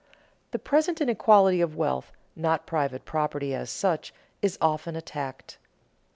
_The present inequality of wealth, not private property as such, is often attacked.